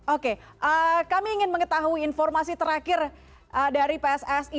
oke kami ingin mengetahui informasi terakhir dari pssi